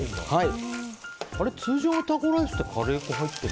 通常のタコライスってカレー粉入ってる？